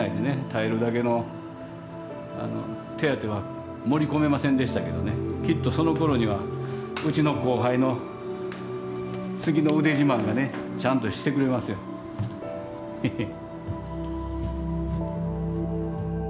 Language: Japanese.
耐えるだけの手当ては盛り込めませんでしたけどねきっとそのころにはうちの後輩の次の腕自慢がねちゃんとしてくれますよ。へへっ。